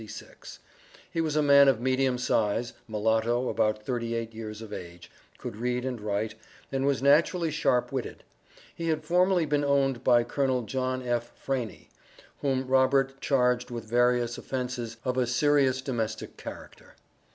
He was a man of medium size, mulatto, about thirty eight years of age, could read and write, and was naturally sharp witted. He had formerly been owned by Col. John F. Franie, whom Robert charged with various offences of a serious domestic character.